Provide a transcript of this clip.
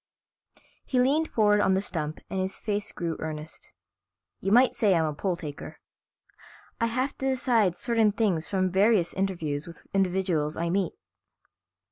He leaned forward on the stump and his face grew earnest. "You might say I'm a poll taker. I have to decide certain things from various interviews with individuals I meet."